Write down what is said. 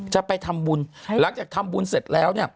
จะไปทำบุญหลังจากทำบุญเสร็จแล้วเนี่ย